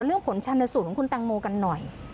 เรื่องผลชันสูตรของคุณแต่งโมกันหน่อย